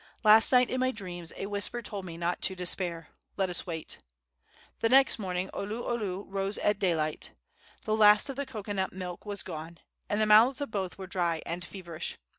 Last night in my dreams a whisper told me not to despair. Let us wait." The next morning Oluolu rose at daylight. The last of the cocoanut milk was gone, and the mouths of both were dry and feverish.